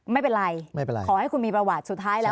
ไม่เป็นไรขอให้คุณมีประวัติสุดท้ายแล้ว